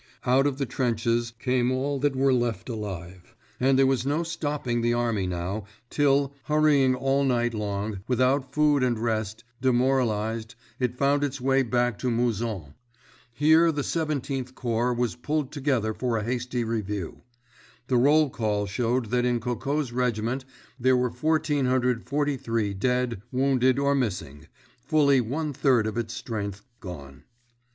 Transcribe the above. Out of the trenches came all that were left alive, and there was no stopping the army now, till, hurrying all night long without food and rest, demoralized, it found its way back to Mouzon. Here the Seventeenth Corps was pulled together for a hasty review. The roll call showed that in Coco's regiment there were 1,443 dead, wounded, or missing—fully one third of its strength gone.